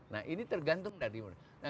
nah ini tergantung dari mana